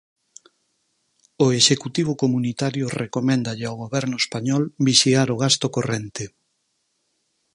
O executivo comunitario recoméndalle ao Goberno español vixiar o gasto corrente.